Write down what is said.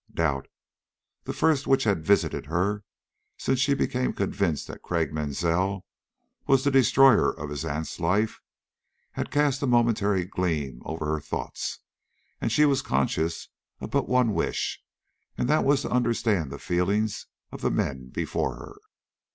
Doubt, the first which had visited her since she became convinced that Craik Mansell was the destroyer of his aunt's life, had cast a momentary gleam over her thoughts, and she was conscious of but one wish, and that was to understand the feelings of the men before her.